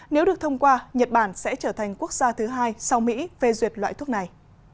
nếu được thông qua nhật bản sẽ trở thành quốc gia thứ hai sau mỹ phê duyệt loại thuốc này